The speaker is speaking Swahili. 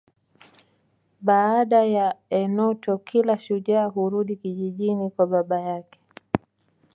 Baada ya eunoto kila shujaa hurudi kijijini kwa baba yake